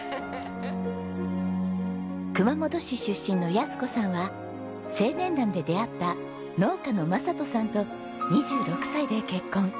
熊本市出身の安子さんは青年団で出会った農家の正人さんと２６歳で結婚。